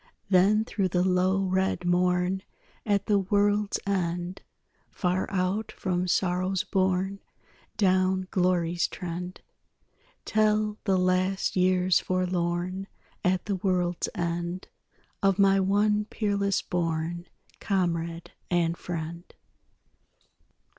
Then through the low red morn At the world's end, Far out from sorrow's bourne, Down glory's trend, Tell the last years forlorn At the world's end, Of my one peerless born Comrade and friend.